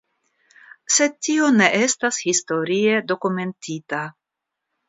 Sed tio ne estas historie dokumentita.